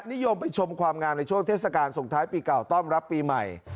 นิยมไปชมความงามในช่วงเทศกาลส่งท้ายปีเก่าต้อนรับปีใหม่